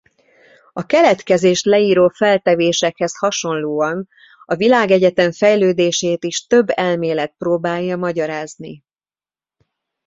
A keletkezést leíró feltevésekhez hasonlóan a világegyetem fejlődését is több elmélet próbálja magyarázni.